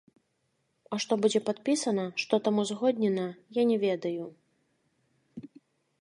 А што будзе падпісана, што там узгоднена, я не ведаю.